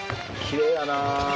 きれいやなぁ。